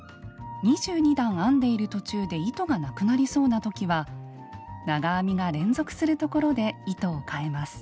２２段編んでいる途中で糸がなくなりそうな時は長編みが連続するところで糸をかえます。